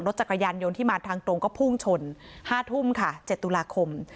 จักรยานยนต์ที่มาทางตรงก็พุ่งชน๕ทุ่มค่ะ๗ตุลาคม